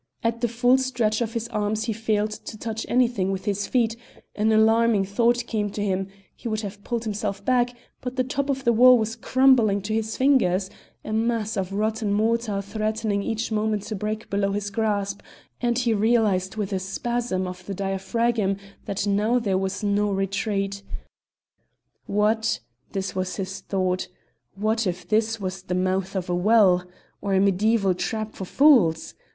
At the full stretch of his arms he failed to touch anything with his feet; an alarming thought came to him; he would have pulled himself back, but the top of the wall was crumbling to his fingers, a mass of rotten mortar threatening each moment to break below his grasp, and he realised with a spasm of the diaphragm that now there was no retreat. What this was his thought what if this was the mouth of a well? Or a mediaeval trap for fools?